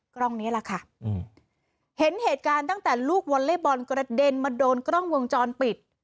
กล้องนี้แหละค่ะเห็นเหตุการณ์ตั้งแต่ลูกวอลเล่บอลกระเด็นมาโดนกล้องวงจรปิด